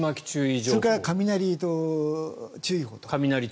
それから雷注意報。